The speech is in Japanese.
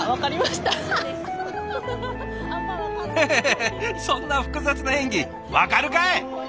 へへへそんな複雑な演技分かるかい！